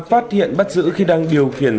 phát hiện bắt giữ khi đang điều khiển